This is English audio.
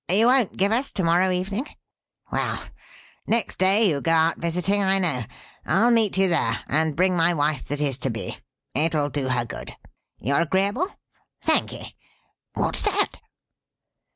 You won't give us to morrow evening? Well! Next day you go out visiting, I know. I'll meet you there, and bring my wife that is to be. It'll do her good. You're agreeable? Thankee. What's that!"